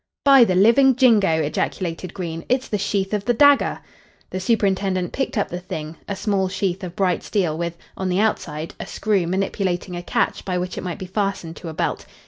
"By the living jingo!" ejaculated Green. "It's the sheath of the dagger!" The superintendent picked up the thing a small sheath of bright steel with, on the outside, a screw manipulating a catch by which it might be fastened to a belt.